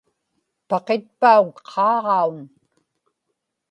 paqitpauŋ qaaġaun